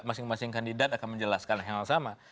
masing masing kandidat akan menjelaskan hal yang sama